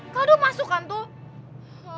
kaldo masuk kan tuh